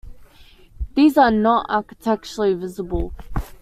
These are not architecturally visible.